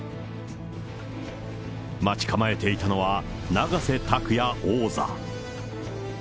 待ち構えていたのは、永瀬拓矢王座。